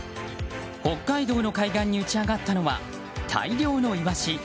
北海道の海岸に打ち揚がったのは大量のイワシ。